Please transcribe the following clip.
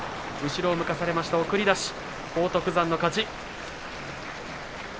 後ろを向かされました送り出し、荒篤山の勝ち。